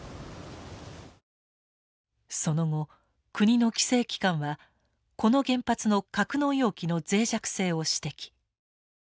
その後国の規制機関はこの原発の格納容器の脆弱性を指摘。